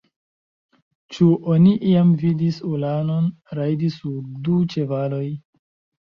Ĉu oni iam vidis ulanon rajdi sur du ĉevaloj!?